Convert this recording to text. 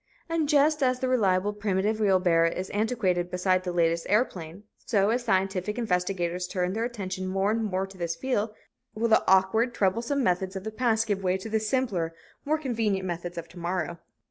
And just as the reliable, primitive wheelbarrow is antiquated beside the latest airplane, so, as scientific investigators turn their attention more and more to this field, will the awkward, troublesome methods of the past give way to the simpler, more convenient methods of the morrow.